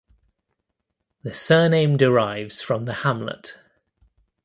The surname derives from the hamlet.